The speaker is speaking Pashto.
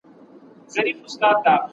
پایله خدای ته پریږدئ.